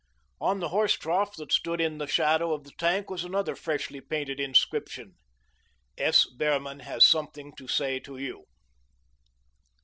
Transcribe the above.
On the horse trough that stood in the shadow of the tank was another freshly painted inscription: "S. Behrman Has Something To Say To You."